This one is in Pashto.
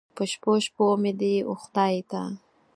په شپو، شپو مې دې و خدای ته